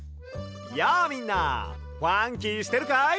やあみんなファンキーしてるかい？